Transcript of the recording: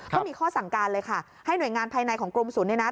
ก็มีข้อสั่งการเลยค่ะให้หน่วยงานภายในของกรมศูนย์เนี่ยนะ